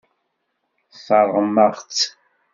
Tesseṛɣem-aɣ-tt.